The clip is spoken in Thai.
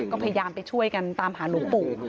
ก็พยายามไปช่วยกันตามหาหลวงปู่